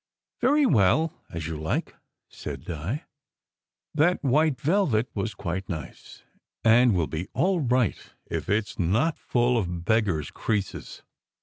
"Very well, as you like," said Di. "That white vel vet was quite nice, and will be all right if it is not full of beggar s creases.